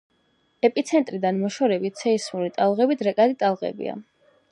ეპიცენტრიდან მოშორებით სეისმური ტალღები დრეკადი ტალღებია.